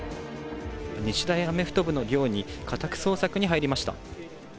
日大アメフト部の寮に家宅捜索に入りました。